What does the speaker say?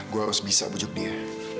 gue harus bisa bujuk dia